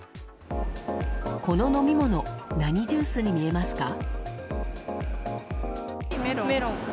この飲み物何ジュースに見えますか？